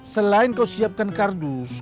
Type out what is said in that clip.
selain kau siapkan kardus